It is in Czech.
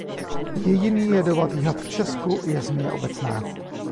Jediný jedovatý had v Česku je zmije obecná.